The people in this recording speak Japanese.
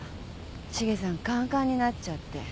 シゲさんカンカンになっちゃって。